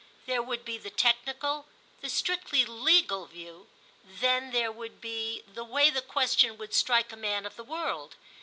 There would be the technical, the strictly legal view; then there would be the way the question would strike a man of the world.